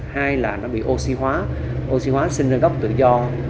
hai là nó bị oxy hóa oxy hóa sinh ra gốc tự do